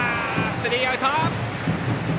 スリーアウト。